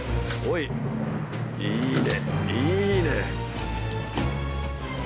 いいね！